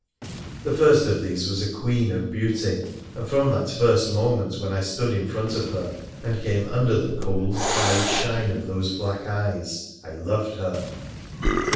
The first of these was a queen of beauty, and from that first moment when I stood in front of her, and came under the cold, proud shine of those black eyes, I loved her